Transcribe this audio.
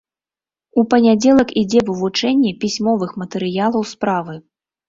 У панядзелак ідзе вывучэнне пісьмовых матэрыялаў справы.